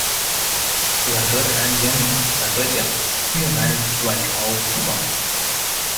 阮德谈，原名阮德讲，越南阮朝副榜。